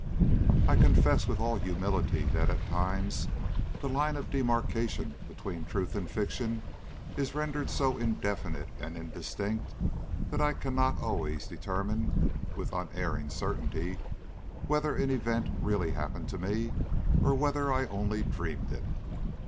I confess with all humility that at times the line of demarcation between truth and fiction is rendered so indefinite and indistinct, that I cannot always determine, with unerring certainty, whether an event really happened to me, or whether I only dreamed it.